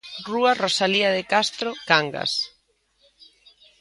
Rúa Rosalía de Castro Cangas.